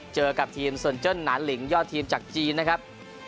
เจอกับทีมเซินเจิ้นหนานลิงยอดทีมจากจีนนะครับ